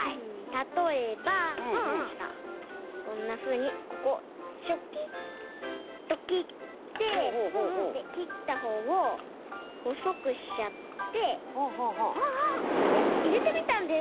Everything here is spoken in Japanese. たとえばこんなふうにここチョキッときってできったほうをほそくしちゃってこれでいれてみたんです。